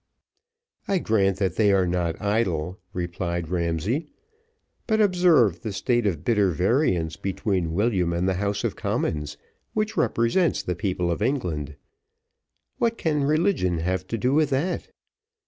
"I grant that they are not idle," replied Ramsay; "but observe the state of bitter variance between William and the House of Commons, which represents the people of England. What can religion have to do with that?